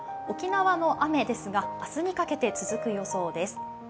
沖縄の雨ですが、明日にかけて続く予想です。